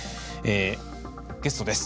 ゲストです。